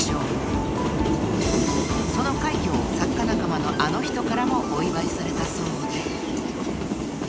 ［その快挙を作家仲間のあの人からもお祝いされたそうで］